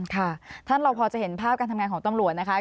ค่ะท่านเราพอจะเห็นภาพการทำงานของตำรวจนะคะ